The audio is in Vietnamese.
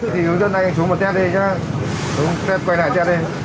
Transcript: thì hướng dẫn anh xuống một test đi chứ test quay lại test đi